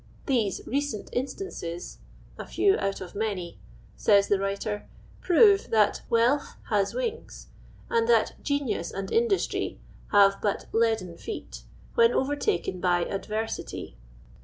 Theso recent instances (a few out of mnny) '' says the writer, "prove that * wealth has wings/ and that Genius and Industry have but leaden feet, when overtaken by Adversity.